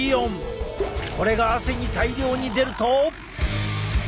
これが汗に大量に出ると。